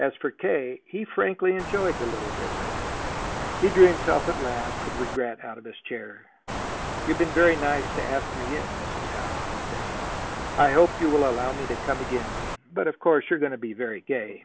As for K., he frankly enjoyed the little visit drew himself at last with regret out of his chair. "You've been very nice to ask me in, Mrs. Howe," he said. "I hope you will allow me to come again. But, of course, you are going to be very gay."